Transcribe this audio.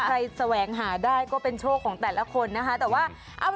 แสวงหาได้ก็เป็นโชคของแต่ละคนนะคะแต่ว่า